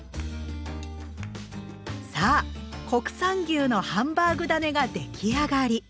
さあ国産牛のハンバーグだねが出来上がり。